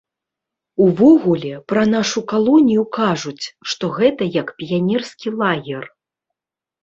Увогуле, пра нашу калонію кажуць, што гэта як піянерскі лагер.